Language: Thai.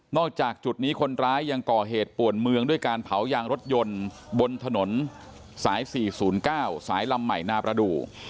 จากจุดนี้คนร้ายยังก่อเหตุป่วนเมืองด้วยการเผายางรถยนต์บนถนนสาย๔๐๙สายลำใหม่นาประดูก